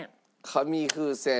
紙風船。